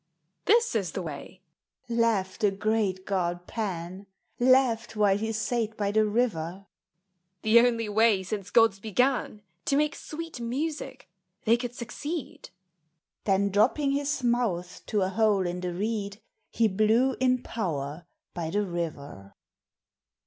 "This is tbt? way," laughed the great god Pan, (Laughed while he sate by the river !)" The only way since gods began To make sweet music, they could succeed." Then dropping his mouth to a hole in the reed, He blew in power by the river.